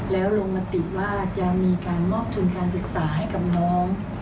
แล้วลงมติว่าจะมีการมอบทุนการศึกษาให้กับน้อง